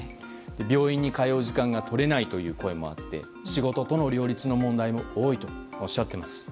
病院に通う時間が取れないという声もあって仕事との両立の問題も多いとおっしゃっています。